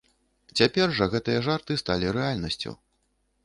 Цяпер жа гэтыя жарты сталі рэальнасцю.